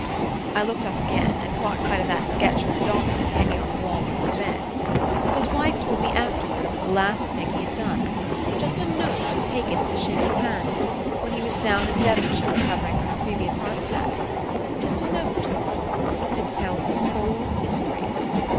"I looked up again, and caught sight of that sketch of the donkey hanging on the wall near his bed. His wife told me afterward it was the last thing he had done just a note taken with a shaking hand, when he was down in Devonshire recovering from a previous heart attack. Just a note! But it tells his whole history.